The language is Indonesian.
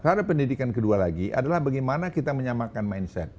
cara pendidikan kedua lagi adalah bagaimana kita menyamakan mindset